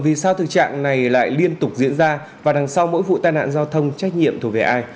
vì sao thực trạng này lại liên tục diễn ra và đằng sau mỗi vụ tai nạn giao thông trách nhiệm thuộc về ai